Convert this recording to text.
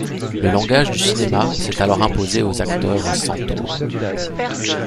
Le langage du cinéma s’est alors imposé aux acteurs centaures.